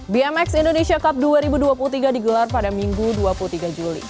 bmx indonesia cup dua ribu dua puluh tiga digelar pada minggu dua puluh tiga juli